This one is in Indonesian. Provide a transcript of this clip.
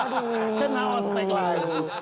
kena ospek lagi